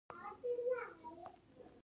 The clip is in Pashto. بریکونه هر وخت معاینه کړه.